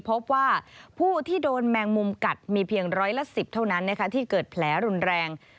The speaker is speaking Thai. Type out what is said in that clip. พบว่าผู้ที่โดนแมงมุมกัดมีเพียงร้อยละ๑๐เท่านั้นที่เกิดแผลรุนแรง